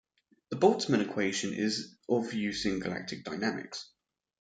The Boltzmann equation is of use in galactic dynamics.